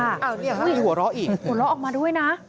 อ้าวนี่หัวล้ออออกมาด้วยนะ